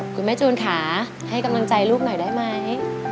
คุณแม่จูนค่ะให้กำลังใจลูกหน่อยได้ไหม